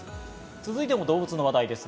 続いても動物の話題です。